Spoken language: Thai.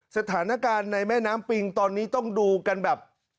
สถานการณ์ในแม่น้ำปิงตอนนี้ต้องดูกันแบบ